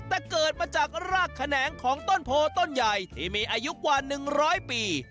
แต่เกิดมาจากรากแขนงของต้นโพต้นใหญ่ที่มีอายุกว่า๑๐๐ปี